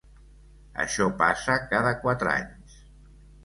Això passa cada quatre anys.